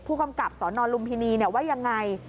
ผู้กำกับสนลุมพินีว่ายังไง